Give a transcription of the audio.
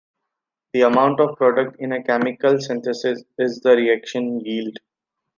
The amount of product in a chemical synthesis is the reaction yield.